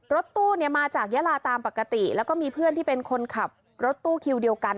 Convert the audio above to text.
รถตู้เนี่ยมาจากยาลาตามปกติแล้วก็มีเพื่อนที่เป็นคนขับรถตู้คิวเดียวกัน